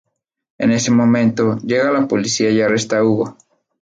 En ese momento, llega la policía y arresta a Hugo.